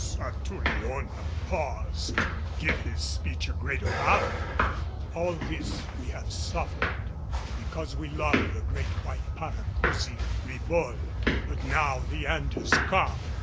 Satouriona paused to give his speech a greater value. "All this we have suffered because we loved the great white Paracousi, Ribault. But now the end has come.